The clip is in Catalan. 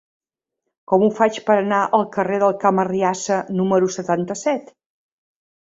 Com ho faig per anar al carrer del Camp Arriassa número setanta-set?